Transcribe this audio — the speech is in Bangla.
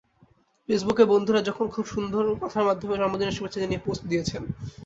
ফেসবুকে বন্ধুরা খুব সুন্দর কথার মাধ্যমে জন্মদিনের শুভেচ্ছা জানিয়ে পোস্ট দিয়েছেন।